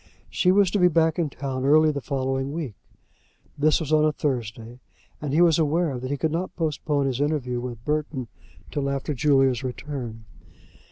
She was to be back in town early in the following week. This was on a Thursday, and he was aware that he could not postpone his interview with Burton till after Julia's return.